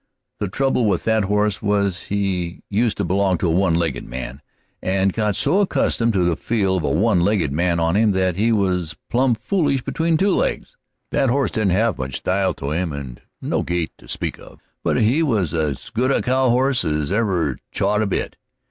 The trouble with that horse was he used to belong to a one legged man, and got so accustomed to the feel of a one legged man on him that he was plumb foolish between two legs. That horse didn't have much style to him, and no gait to speak of; but he was as good a cow horse as ever chawed a bit.